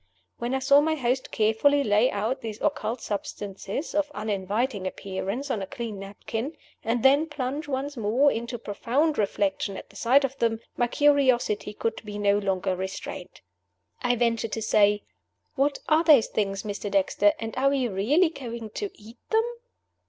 When I saw my host carefully lay out these occult substances of uninviting appearance on a clean napkin, and then plunge once more into profound reflection at the sight of them, my curiosity could be no longer restrained. I ventured to say, "What are those things, Mr. Dexter, and are we really going to eat them?"